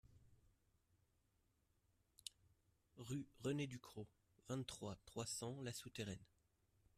Rue René Ducros, vingt-trois, trois cents La Souterraine